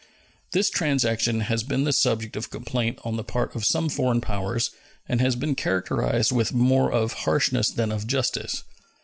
This transaction has been the subject of complaint on the part of some foreign powers, and has been characterized with more of harshness than of justice.